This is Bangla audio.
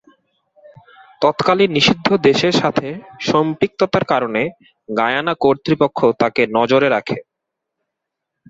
তৎকালীন নিষিদ্ধ দেশের সাথে সম্পৃক্ততার কারণে গায়ানা কর্তৃপক্ষ তাকে নজরে রাখে।